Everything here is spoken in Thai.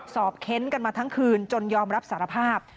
เค้นกันมาทั้งคืนจนยอมรับสารภาพ